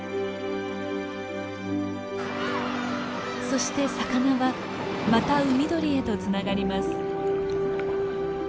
そして魚はまた海鳥へとつながります。